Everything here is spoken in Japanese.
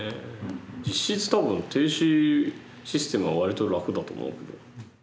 実質多分停止システムは割と楽だと思うけど。